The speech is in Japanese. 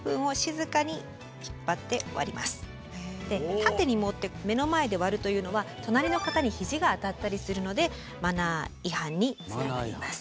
縦に持って目の前で割るというのは隣の方にひじが当たったりするのでマナー違反につながります。